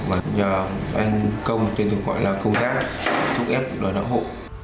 và do anh công tôi được gọi là công tác thu ghép đòi đảo hộ